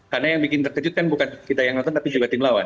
karena yang bikin terkejut bukan kita yang nonton tapi juga tim lawan